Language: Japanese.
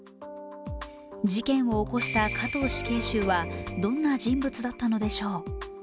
事件を起こした加藤死刑囚はどんな人物だったのでしょう。